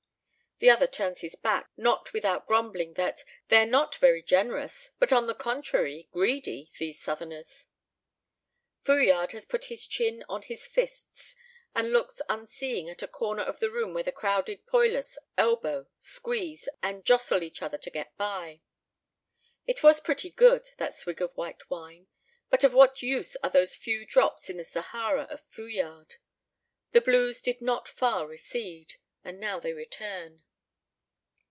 The other turns his back, not without grumbling that "they're not very generous, but on the contrary greedy, these Southerners." Fouillade has put his chin on his fists, and looks unseeing at a corner of the room where the crowded poilus elbow, squeeze, and jostle each other to get by. It was pretty good, that swig of white wine, but of what use are those few drops in the Sahara of Fouillade? The blues did not far recede, and now they return.